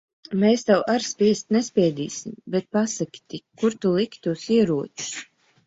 Mēs tev ar spiest nespiedīsim. Bet pasaki tik, kur tu liki tos ieročus?